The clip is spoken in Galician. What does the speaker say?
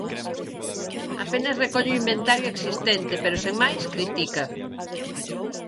Apenas recolle o inventario existente pero sen máis, critica.